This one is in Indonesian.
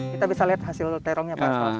kita bisa lihat hasil terongnya pak